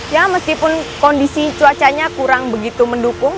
ya meskipun kondisi cuacanya kurang begitu mendukung